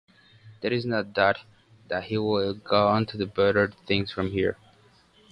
There is no doubt that he will go on to better things from here.